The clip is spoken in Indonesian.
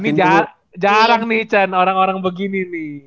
ini jarang nih chan orang orang begini nih